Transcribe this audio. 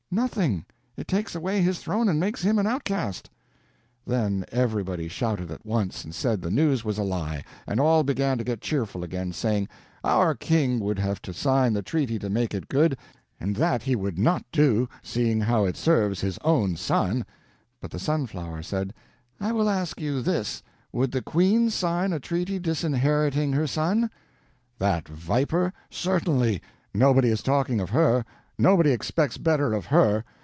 "Nothing. It takes away his throne and makes him an outcast." Then everybody shouted at once and said the news was a lie; and all began to get cheerful again, saying, "Our King would have to sign the treaty to make it good; and that he would not do, seeing how it serves his own son." But the Sunflower said: "I will ask you this: Would the Queen sign a treaty disinheriting her son?" "That viper? Certainly. Nobody is talking of her. Nobody expects better of her.